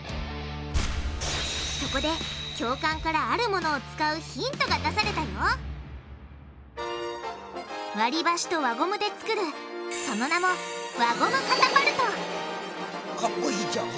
そこで教官からあるものを使うヒントが出されたよ割りばしと輪ゴムで作るその名もかっこいいじゃん。